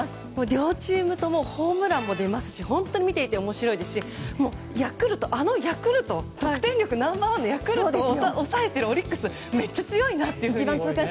両チームともホームランも出ますし本当に見ていて面白いですしあのヤクルト得点力ナンバー１のヤクルトを抑えているオリックスめっちゃ強いなって。